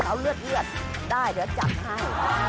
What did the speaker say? เอาเลือดได้เดี๋ยวจัดให้